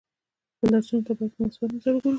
خپلو درسونو ته باید په مثبت نظر وګورو.